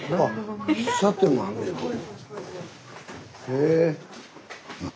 へえ。